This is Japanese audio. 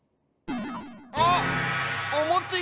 あっおもちが！